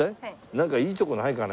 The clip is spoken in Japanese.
なんかいいとこないかね？